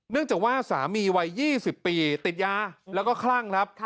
จากว่าสามีวัย๒๐ปีติดยาแล้วก็คลั่งครับ